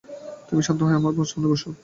তুমি শান্ত হয়ে আমার সামনে বসো।